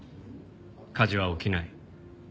火事は起きない。